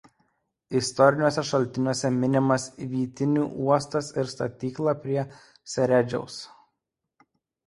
Istoriniuose šaltiniuose minimas vytinių uostas ir statykla prie Seredžiaus.